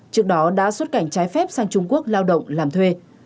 trước đó đã xuất cảnh trái phép sang trung quốc lao động làm thuê